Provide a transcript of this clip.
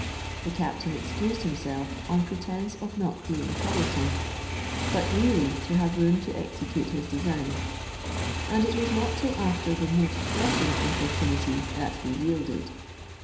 The captain excused himself on pretence of not being troublesome; but really to have room to execute his design, and it was not till after the most pressing importunity that he yielded.